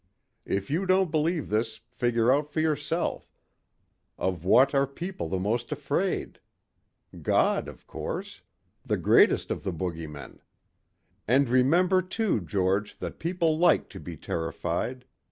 If you don't believe this figure out for yourself of what are people the most afraid? God, of course. The greatest of the bogeymen. And remember too, George that people like to be terrified.